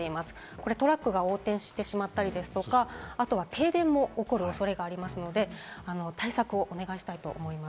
これトラックが横転してしまったりですとか、停電も起こる恐れがありますので、対策をお願いしたいと思います。